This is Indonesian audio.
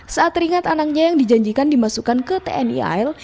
saat ringan anaknya yang dijanjikan dimasukkan ke tni al